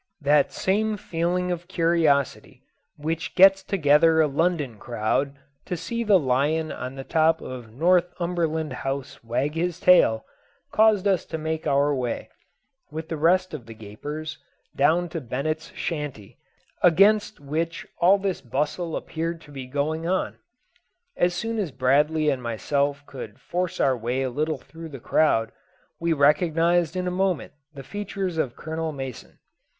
That same feeling of curiosity which gets together a London crowd to see the lion on the top of Northumberland House wag his tail, caused us to make our way, with the rest of the gapers, down to Bennett's shanty, against which all this bustle appeared to be going on. As soon as Bradley and myself could force our way a little through the crowd, we recognised in a moment the features of Colonel Mason.